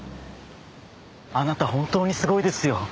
あなた本当にすごいですよ。